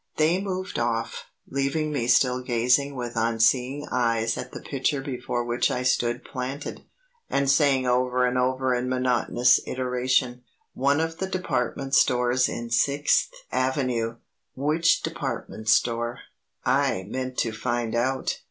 They moved off, leaving me still gazing with unseeing eyes at the picture before which I stood planted, and saying over and over in monotonous iteration, "One of the department stores in Sixth Avenue! One of the department stores in Sixth Avenue!" Which department store? I meant to find out.